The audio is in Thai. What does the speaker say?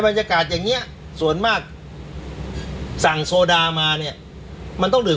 บรรยากาศอย่างนี้ส่วนมากสั่งโซดามาเนี่ยมันต้องดื่ม